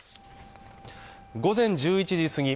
午前１１時過ぎ